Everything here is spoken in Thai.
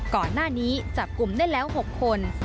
ก่อนหน้านี้จับกลุ่มได้แล้ว๖คน